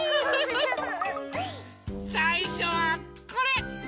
さいしょはこれ！